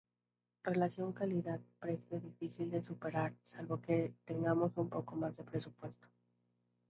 Relación calidad precio difícil de superar salvo que tengamos un poco más de presupuesto.